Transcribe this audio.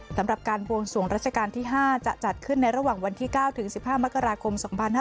สำหรับการบวงสวงรัชกาลที่๕จะจัดขึ้นในระหว่างวันที่๙ถึง๑๕มกราคม๒๕๕๙